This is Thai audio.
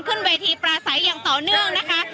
ขึ้นเวทีปราศัยอย่างต่อเนื่องนะคะ